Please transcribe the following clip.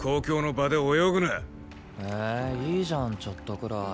いいじゃんちょっとぐらい。